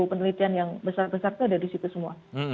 penelitian yang besar besarnya ada di situ semua